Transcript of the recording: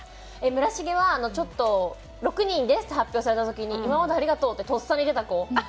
村重はちょっと「６人です」って発表された時に「今までありがとう」ってとっさに出た子。